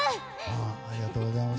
ありがとうございます。